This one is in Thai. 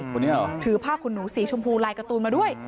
คนนี้เหรอถือผ้าขนหนูสีชมพูลายการ์ตูนมาด้วย